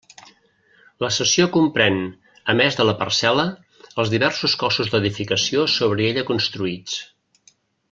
La cessió comprén, a més de la parcel·la, els diversos cossos d'edificació sobre ella construïts.